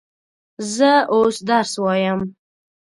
زه اوس درس وایم.